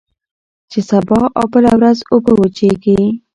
چي سبا او بله ورځ اوبه وچیږي